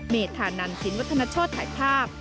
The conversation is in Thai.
เมธานันสินวัฒนโชธถ่ายภาพ